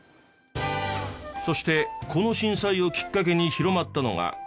そしてこの震災をきっかけに広まったのが。